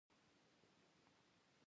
افغانستان ډیرې کاني زیرمې لري